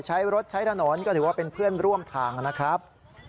ใช้รถใช้ถนนก็ถือว่าเป็นเพื่อนร่วมทางนะครับ